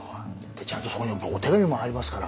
でちゃんとそこにお手紙も入りますから。